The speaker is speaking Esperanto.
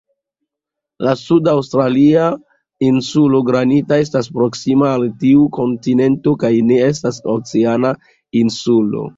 La sud-aŭstralia Insulo Granita estas proksima al tiu kontinento kaj ne estas "oceana" insulo.